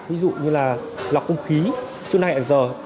ví dụ như là lọc không khí chương trình hẹn giờ